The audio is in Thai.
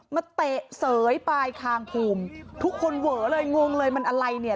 เตะเสยปลายคางภูมิทุกคนเวอเลยงงเลยมันอะไรเนี่ย